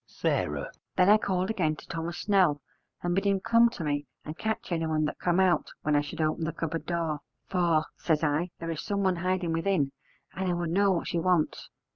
S. Then I called again to Thomas Snell, and bid him come to me and catch anyone that come out when I should open the cupboard door, 'for,' says I, 'there is someone hiding within, and I would know what she wants.'